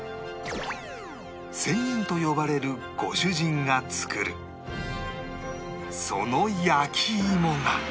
仙人と呼ばれるご主人が作るその焼き芋が